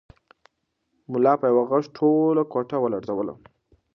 ملا په یوه غږ ټوله کوټه ولړزوله.